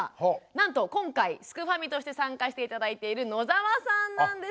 なんと今回すくファミとして参加して頂いている野澤さんなんです。